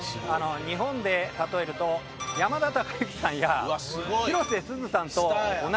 日本で例えると山田孝之さんや広瀬すずさんと同じぐらいという事で。